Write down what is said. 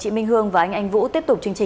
c hai mở nắp thanh mát khui quả chất chơi